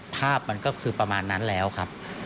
ภาพมันก็คือประมาณนั้นแล้วครับ